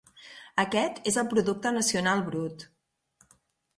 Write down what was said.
Aquest és el Producte Nacional Brut.